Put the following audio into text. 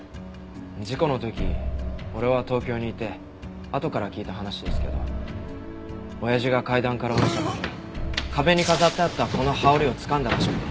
事故の時俺は東京にいてあとから聞いた話ですけど親父が階段から落ちた時壁に飾ってあったこの羽織をつかんだらしくて。